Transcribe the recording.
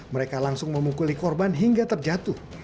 mereka langsung memukuli korban hingga terjatuh